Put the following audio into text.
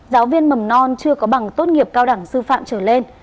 giáo viên mầm non chưa có bằng tốt nghiệp cao đẳng sư phạm trở lên